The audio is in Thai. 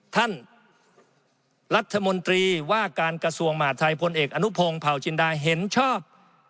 ท่านรัฐมนตรีว่าการกระทรวงมหาธัยพลเอกอนุพงศ์เผาจินดาเห็นชอบ